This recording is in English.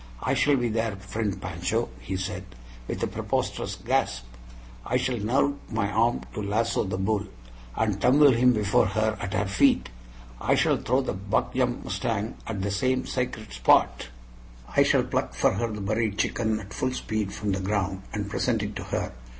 "I shall be there, friend Pancho," he said, with a preposterous gasp. "I shall nerve my arm to lasso the bull, and tumble him before her at her feet. I shall throw the 'buck jump' mustang at the same sacred spot. I shall pluck for her the buried chicken at full speed from the ground, and present it to her.